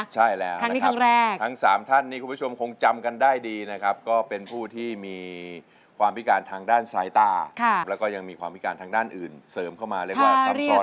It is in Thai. ใช่แล้วนะครับทั้ง๓ท่านนี่คุณผู้ชมคงจำกันได้ดีนะครับก็เป็นผู้ที่มีความพิการทางด้านซ้ายตาแล้วก็ยังมีความพิการทางด้านอื่นเสริมเข้ามาเรียกว่าซ้ำซ้อน